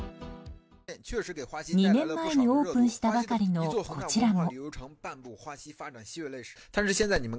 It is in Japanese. ２年前にオープンしたばかりのこちらも。